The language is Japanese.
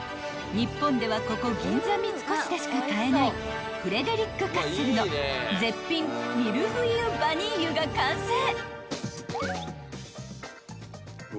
［日本ではここ銀座三越でしか買えないフレデリック・カッセルの絶品ミルフイユ・ヴァニーユが完成］